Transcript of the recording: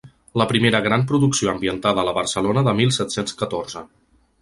La primera gran producció ambientada a la Barcelona de mil set-cents catorze.